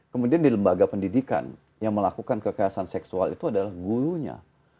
kemudian di lembaga pendidikan yang melakukan kekerasan seksual itu adalah gurunya